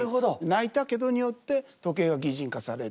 「泣いたけど」によって時計が擬人化されるという。